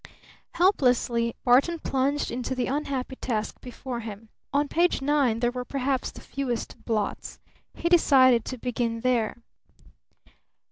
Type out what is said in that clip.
Helplessly Barton plunged into the unhappy task before him. On page nine there were perhaps the fewest blots. He decided to begin there.